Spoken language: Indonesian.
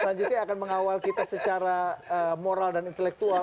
selanjutnya akan mengawal kita secara moral dan intelektual